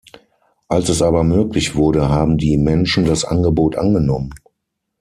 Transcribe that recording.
Als es aber möglich wurde, haben die Menschen das Angebot angenommen.